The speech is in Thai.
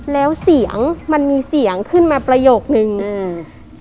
แล้วเสียงมันมีเสียงขึ้นมาประโยคนึงอืม